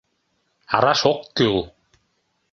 Араш ок кӱл.